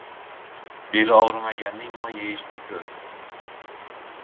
Beli og'rimaganning non yeyishini ko'r.